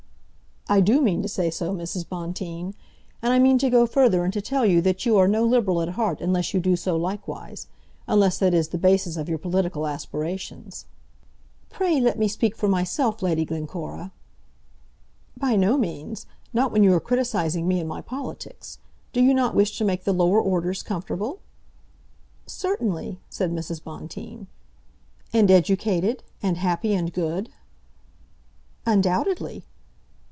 "I do mean to say so, Mrs. Bonteen. And I mean to go further, and to tell you that you are no Liberal at heart unless you do so likewise; unless that is the basis of your political aspirations." "Pray let me speak for myself, Lady Glencora." "By no means, not when you are criticising me and my politics. Do you not wish to make the lower orders comfortable?" "Certainly," said Mrs. Bonteen. "And educated, and happy and good?" "Undoubtedly."